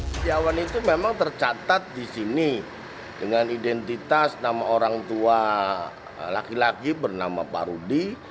setiawan itu memang tercatat di sini dengan identitas nama orang tua laki laki bernama pak rudi